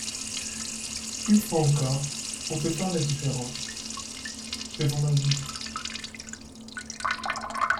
Une fois encore, on sait faire la différence ; faisons-la donc.